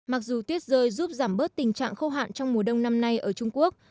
mặc dù tuyết rơi giúp giảm bớt tình trạng khô hạn trong mùa đông năm nay ở trung quốc